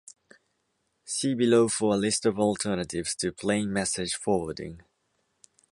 See below for a list of alternatives to plain message forwarding.